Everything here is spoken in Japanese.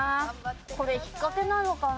これひっかけなのかな？